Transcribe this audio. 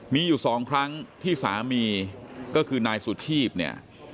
มีอยู่สองครั้งที่สามีก็คือนายสุชีพเนี่ย